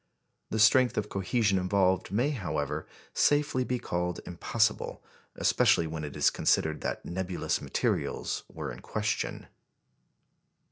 The strength of cohesion involved may, however, safely be called impossible, especially when it is considered that nebulous materials were in question.